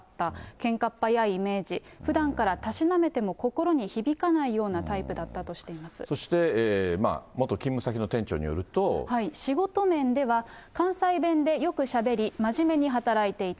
けんかっ早いイメージ、ふだんからたしなめても心に響かないようなタイプだったとしていそして元勤務先の店長による仕事面では、関西弁でよくしゃべり、真面目に働いていた。